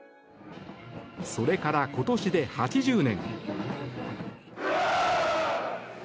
それから今年で８０年。